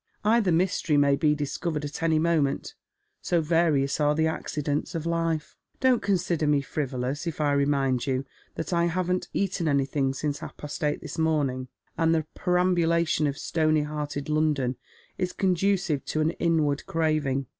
Either mystery may be discovered at any moment, so various are the accidents of life. " Don't consider me frivolous if I remind you that I haven't eaten anything since half past eight this morning, and the peram bulation of stony hearted London is conducive to an inward craving.